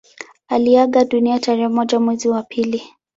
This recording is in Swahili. Aliaga dunia tarehe moja mwezi wa pili